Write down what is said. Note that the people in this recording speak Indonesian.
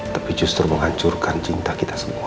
tapi justru menghancurkan cinta kita semua